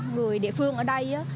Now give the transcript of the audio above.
người địa phương ở đây